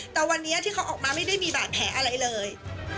แต่วันนี้ที่เขาออกมาไม่ได้มีบาดแผลอะไรเลย